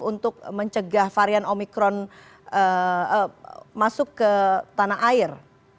untuk mencegah varian omikron masuk ke tanah air